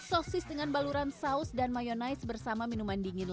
sosis dengan baluran saus dan mayonaise bersama minuman dingin